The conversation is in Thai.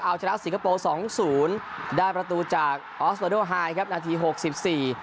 เอาชนะสิงคโปร์๒๐ได้ประตูจากออสเวอร์โด้ฮายนาที๖๔